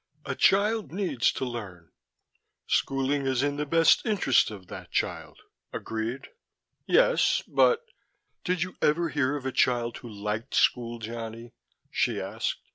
"A child needs to learn. Schooling is in the best interest of that child. Agreed?" "Yes, but " "Did you ever hear of a child who liked school, Johnny?" she asked.